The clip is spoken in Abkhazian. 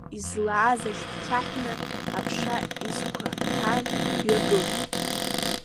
Излааз ахь дхьаҳәны аԥша изқәа аҭан дҩагылт.